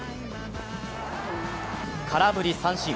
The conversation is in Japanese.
空振り三振。